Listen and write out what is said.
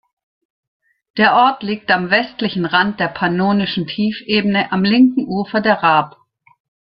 Der Ort liegt am westlichen Rand der Pannonischen Tiefebene, am linken Ufer der Raab.